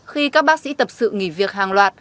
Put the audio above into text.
khi các bác sĩ tập sự nghỉ việc hàng loạt